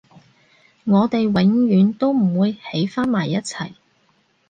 我哋永遠都唔會喺返埋一齊